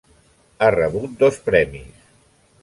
Ha rebut dos premis.